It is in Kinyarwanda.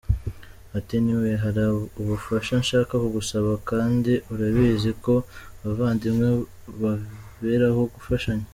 Ati “Anyway hari ubufasha nshaka kugusaba kandi urabizi ko abavandimwe baberaho gufashanya.